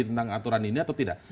tentang aturan ini atau tidak